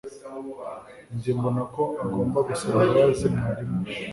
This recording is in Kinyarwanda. njye mbona ko agomba gusaba imbabazi mwarimu we